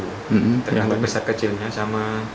tergantung besar kecilnya sama